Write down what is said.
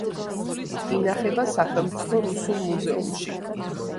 ინახება სახელმწიფო რუსულ მუზეუმში.